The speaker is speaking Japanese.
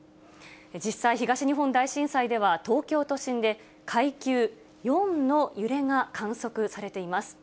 実際、東日本大震災では、東京都心で、階級４の揺れが観測されています。